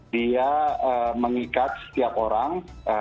dia mengikat setiap orang